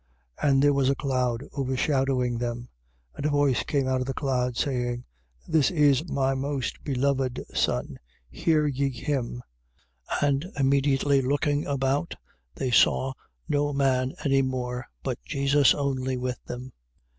9:6. And there was a cloud overshadowing them. And a voice came out of the cloud, saying: This is my most beloved Son. Hear ye him. 9:7. And immediately looking about, they saw no man any more, but Jesus only with them.